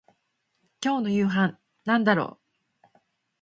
今日の夕飯なんだろう